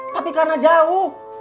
tapi karena jauh